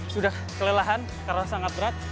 sudah kelelahan karena sangat berat